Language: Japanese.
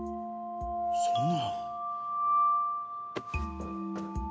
そんな。